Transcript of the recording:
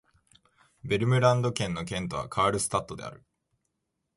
ヴェルムランド県の県都はカールスタッドである